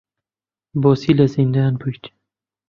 بۆچی لە زیندان بوویت؟